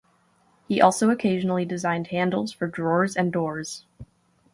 He also occasionally designed handles for drawers and doors.